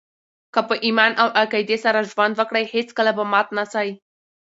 که په ایمان او عقیدې سره ژوند وکړئ، هېڅکله به مات نه سئ!